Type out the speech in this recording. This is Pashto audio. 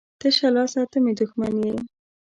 ـ تشه لاسه ته مې دښمن یې.